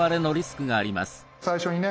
最初にね